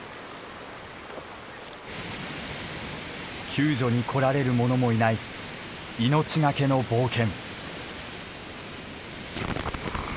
救助に来られる者もいない命懸けの冒険。